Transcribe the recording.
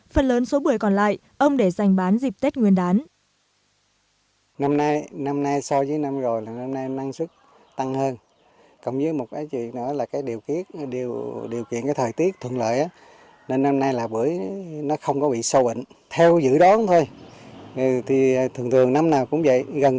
phần lớn số bưởi còn lại ông để giành bán dịp tết nguyên đán